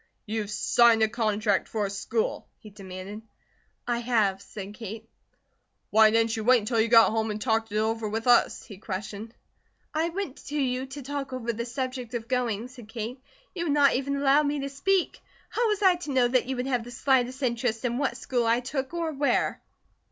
"You've signed a contract for a school?" he demanded. "I have," said Kate. "Why didn't you wait until you got home and talked it over with us?" he questioned. "I went to you to talk over the subject to going," said Kate. "You would not even allow me to speak. How was I to know that you would have the slightest interest in what school I took, or where."